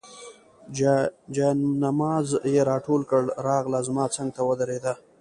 جاینماز یې راټول کړ، راغله زما څنګ ته ودرېده.